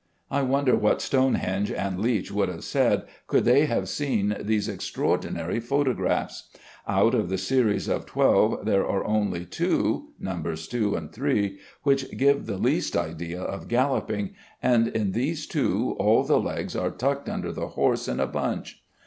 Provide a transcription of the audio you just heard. I wonder what Stonehenge and Leech would have said, could they have seen these extraordinary photographs. Out of the series of twelve there are only two (Nos. 2 and 3) which give the least idea of galloping, and in these two all the legs are tucked under the horse in a bunch.